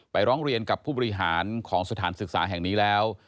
ร้องเรียนกับผู้บริหารของสถานศึกษาแห่งนี้แล้ว